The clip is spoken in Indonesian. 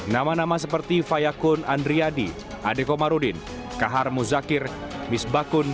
nama nama seperti fayakun andriyadi adekomarudin kaharmu zakir misbakun